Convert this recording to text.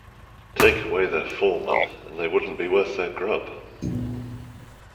Take away their foreman and they wouldn't be worth their grub.